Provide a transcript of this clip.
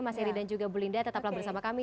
mas eri dan juga bu linda tetaplah bersama kami